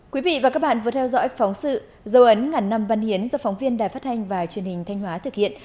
quý vị và các bạn vừa theo dõi phóng sự dấu ấn ngàn năm văn hiến do phóng viên đài phát thanh và truyền hình thanh hóa thực hiện